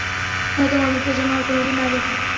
তোমার মুখটা যেন আর কোনোদিন না দেখি।